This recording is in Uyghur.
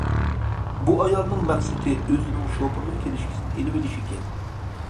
بۇ ئايالنىڭ مەقسىتى ئۆزىنىڭ شوپۇرلۇق كىنىشكىسىنى ئېلىۋېلىش ئىكەن.